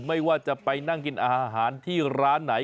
ไม่ว่าจะไปนั่งกินอาหารที่ร้านไหน